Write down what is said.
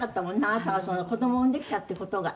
あなたが子供を産んできたっていう事が」